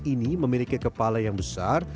ini memiliki kepala yang besar